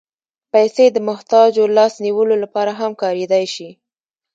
پېسې د محتاجو لاس نیولو لپاره هم کارېدای شي.